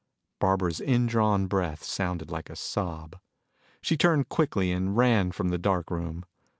Barbara's indrawn breath sounded like a sob. She turned quickly and ran from the dark room.